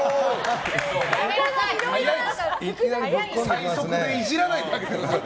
最初からイジらないであげてください。